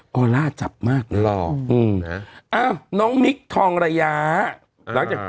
ก็น่าจับมากหลอกอืมน่ะเอ้าน้องมิกทองระยะอ่าหลังจาก